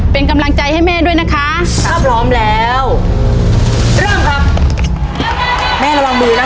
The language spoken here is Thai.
เป็นกำลังใจให้แม่ด้วยนะคะถ้าพร้อมแล้วเริ่มครับแม่ระวังมือนะคะ